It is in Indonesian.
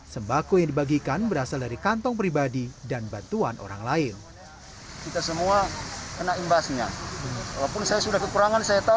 sembako yang dibagikan berasal dari kantong pribadi dan bantuan orang lain